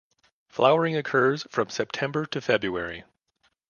Flowering occurs from September to February.